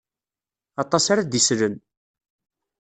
Aṭas ara d-islen.